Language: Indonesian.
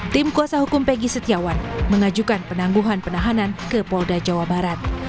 tim kuasa hukum peggy setiawan mengajukan penangguhan penahanan ke polda jawa barat